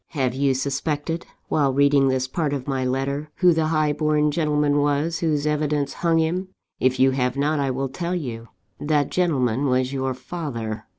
"Have you suspected, while reading this part of my letter, who the high born gentleman was whose evidence hung him? If you have not, I will tell you. That gentleman was _your father.